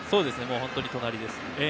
本当に隣です。